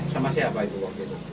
sama siapa itu waktu itu